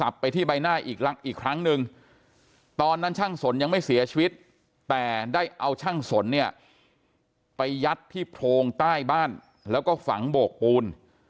ได้เอาช่างสนเนี่ยไปยัดที่โพงใต้บ้านแล้วก็ฝังโบกปูน